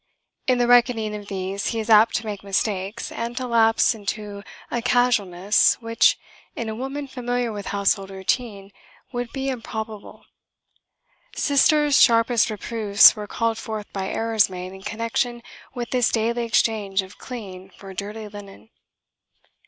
In the reckoning of these he is apt to make mistakes and to lapse into a casualness which, in a woman familiar with household routine, would be improbable. "Sister's" sharpest reproofs were called forth by errors made in connection with this daily exchange of clean for dirty linen.